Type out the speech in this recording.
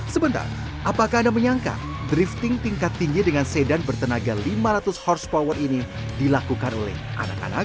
sebentar apakah anda menyangka drifting tingkat tinggi dengan sedan bertenaga lima ratus h power ini dilakukan oleh anak anak